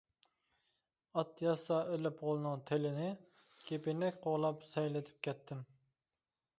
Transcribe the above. ئات ياتسا ئېلىپ غولنىڭ تېلىنى، كېپىنەك قوغلاپ سەيلىتىپ كەتتىم.